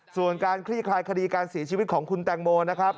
ส่วนการคลี่คลายคดีการเสียชีวิตของคุณแตงโมนะครับ